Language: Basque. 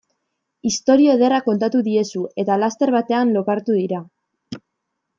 Istorio ederra kontatu diezu eta laster batean lokartu dira.